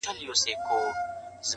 خپه په دې يم چي زه مرمه او پاتيږي ژوند,